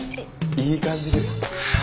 いい感じです。